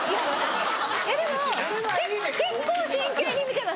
でも結構真剣に見てます。